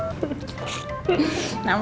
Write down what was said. aku ada yang nangis